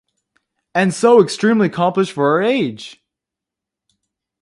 And so extremely accomplished for her age!